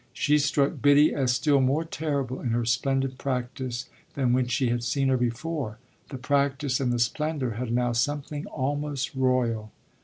She struck Biddy as still more terrible in her splendid practice than when she had seen her before the practice and the splendour had now something almost royal.